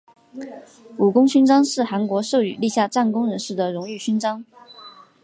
武功勋章是韩国授予立下战功人士的荣誉勋章。